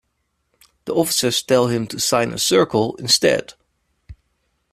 The officers tell him to sign a circle instead.